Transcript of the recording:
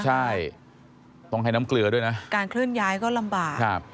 ใช่ต้องให้น้ำเกลือด้วยนะการเคลื่อนย้ายก็ลำบากครับ